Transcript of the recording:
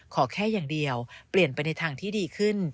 ขอแค่อย่างเดียวเปลี่ยนไปในทางที่ดีขึ้น